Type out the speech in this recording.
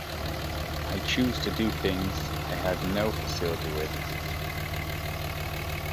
I chose to do things I had no facility with.